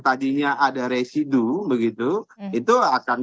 tadinya ada residu begitu itu akan